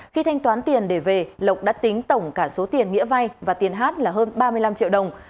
khi thanh toán tiền để về lộc đã tính tổng cả số tiền nghĩa vay và tiền hát là hơn ba mươi năm triệu đồng